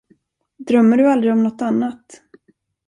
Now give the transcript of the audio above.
Drömmer du aldrig om nåt annat?